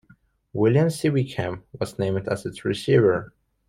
Williams C. Wickham was named as its Receiver.